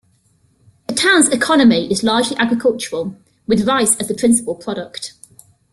The town's economy is largely agricultural, with rice as the principal product.